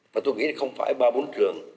và tôi nghĩ không phải ba bốn trường